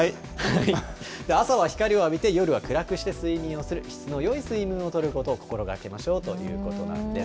朝は光を浴びて、夜は暗くして睡眠をする、質のよい睡眠をとることを心がけましょうということなんです。